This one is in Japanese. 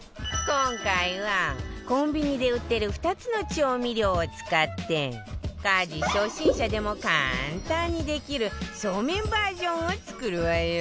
今回はコンビニで売ってる２つの調味料を使って家事初心者でも簡単にできるそうめんバージョンを作るわよ